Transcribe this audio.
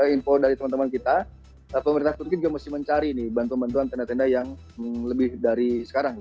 info dari teman teman kita pemerintah turki juga mesti mencari nih bantuan bantuan tenda tenda yang lebih dari sekarang